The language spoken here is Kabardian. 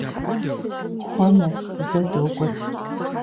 Хуэму, зэ догуэт!